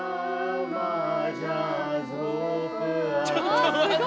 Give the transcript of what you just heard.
ちょっと待って！